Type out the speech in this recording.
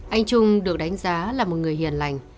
anh trung được đánh giá là một người hiền lành